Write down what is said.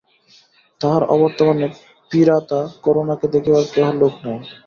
তাহার অবর্তমানে পীড়িতা করুণাকে দেখিবার কেহ লোক নাই।